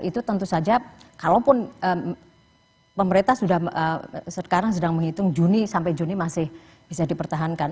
itu tentu saja kalaupun pemerintah sudah sekarang sedang menghitung juni sampai juni masih bisa dipertahankan